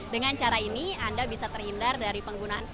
dengan cara ini anda bisa terhindar dari penggunaan